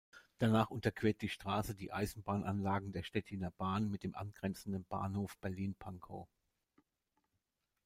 Danach unterquert die Straße die Eisenbahnanlagen der Stettiner Bahn mit dem angrenzenden Bahnhof Berlin-Pankow.